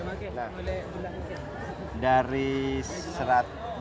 oke boleh berlakukan